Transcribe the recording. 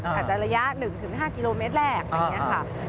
อาจจะระยะ๑๕กิโลเมตรแรกอะไรอย่างนี้ค่ะ